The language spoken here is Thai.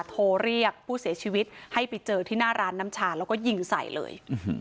โทรเรียกผู้เสียชีวิตให้ไปเจอที่หน้าร้านน้ำชาแล้วก็ยิงใส่เลย